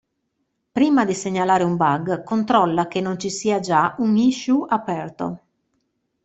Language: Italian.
Prima di segnalare un bug controlla che non ci sia già un issue aperto.